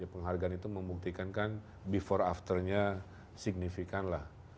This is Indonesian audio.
penghargaan itu membuktikan kan before afternya signifikan lah